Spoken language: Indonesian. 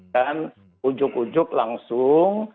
dan ujuk ujuk langsung